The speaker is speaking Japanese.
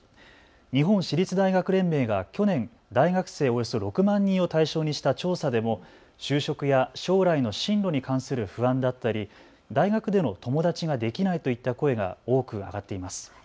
日本私立大学連盟が去年、大学生およそ６万人を対象にした調査でも就職や将来の進路に関する不安だったり大学での友達ができないといった声が多く上がっています。